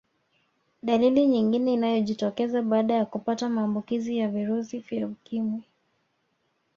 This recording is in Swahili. Dalili nyingine inayojitokeza baada ya kupata maambukizi ya virusi vya ukimwi